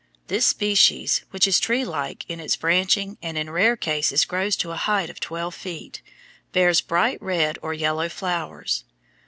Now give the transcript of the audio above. This species, which is tree like in its branching and in rare cases grows to a height of twelve feet, bears bright red or yellow flowers.